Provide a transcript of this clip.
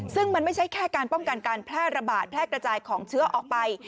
ซึ่งมันไม่ใช่แค่การป้องกันการแพร่ระบาดแพร่กระจายของเชื้อออกไป